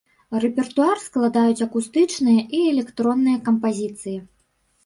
Рэпертуар складаюць акустычныя і электронныя кампазіцыі.